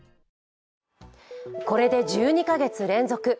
これで１２カ月連続。